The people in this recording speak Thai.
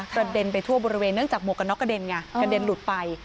กระเด็นไปทั่วบริเวณเนื่องจากหมวกกันน็อกกระเด็นไงกระเด็นหลุดไป